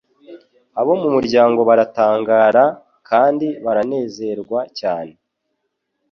Abo mu muryango baratangara, kandi baranezerwa cyane.